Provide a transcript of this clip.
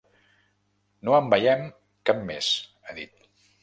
No en veiem cap més, ha dit.